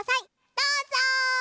どうぞ！